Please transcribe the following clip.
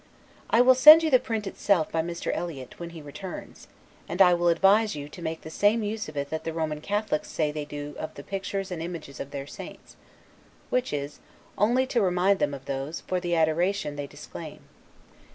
I will send you the print itself by Mr. Eliot, when he returns; and I will advise you to make the same use of it that the Roman Catholics say they do of the pictures and images of their saints, which is, only to remind them of those; for the adoration they disclaim.